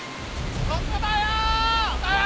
ここだよー！